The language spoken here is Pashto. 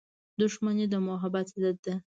• دښمني د محبت ضد ده.